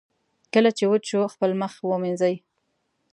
کله چې وچ شو، خپل مخ ومینځئ.